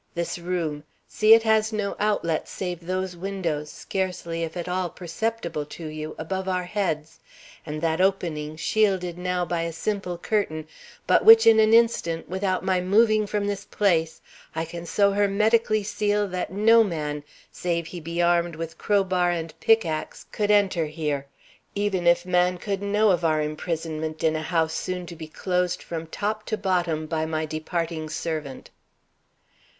This room see, it has no outlet save those windows, scarcely if at all perceptible to you, above our heads, and that opening shielded now by a simple curtain, but which in an instant, without my moving from this place, I can so hermetically seal that no man, save he be armed with crowbar and pickaxe, could enter here, even if man could know of our imprisonment, in a house soon to be closed from top to bottom by my departing servant."